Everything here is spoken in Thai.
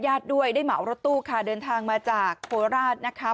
ด้วยได้เหมารถตู้ค่ะเดินทางมาจากโคราชนะคะ